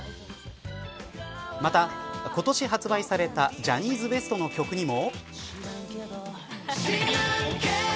また、今年発売されたジャニーズＷＥＳＴの曲にも。